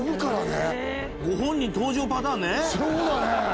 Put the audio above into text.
そうだね。